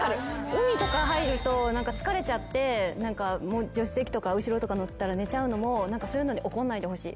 海とか入ると疲れちゃって助手席とか後ろとか乗ってたら寝ちゃうのもそういうので怒んないでほしい。